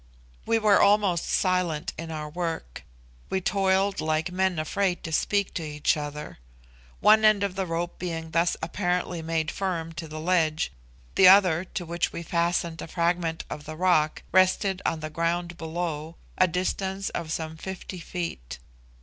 We were almost silent in our work. We toiled like men afraid to speak to each other. One end of the rope being thus apparently made firm to the ledge, the other, to which we fastened a fragment of the rock, rested on the ground below, a distance of some fifty feet.